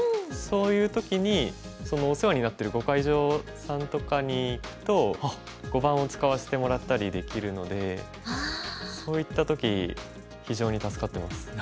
そういう時にお世話になってる碁会所さんとかに行くと碁盤を使わせてもらったりできるのでそういった時非常に助かってます。